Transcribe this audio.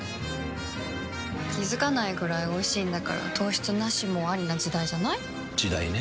気付かないくらいおいしいんだから糖質ナシもアリな時代じゃない？時代ね。